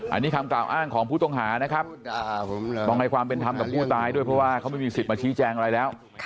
อันนี้คำกล่าวอ้างของผู้ต้องหานะครับต้องให้ความเป็นธรรมกับผู้ตายด้วยเพราะว่าเขาไม่มีสิทธิ์มาชี้แจงอะไรแล้ว